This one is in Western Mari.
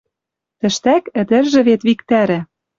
Тӹштӓк ӹдӹржӹ вет виктӓрӓ